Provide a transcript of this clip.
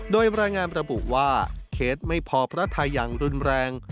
โดยรายงานระบุว่าเคสไม่พอพระไทยอย่างรุนแรง